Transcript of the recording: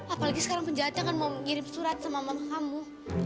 apalagi sekarang penjahatnya mau kirim surat sama mama kamu